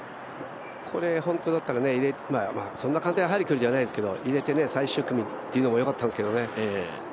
これ、本当だったらこんな簡単な距離じゃないんですけど入れて、最終組っていうのもよかったですけどね。